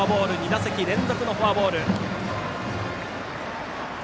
２打席連続のフォアボール。